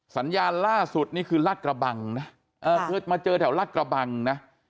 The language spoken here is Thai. สัญญาณล่าสุดนี่คือรัฐกระบังนะมาเจอแถวรัฐกระบังนะ